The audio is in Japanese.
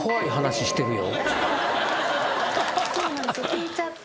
ひいちゃって。